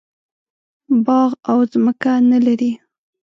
باغ او ځمکه نه لري.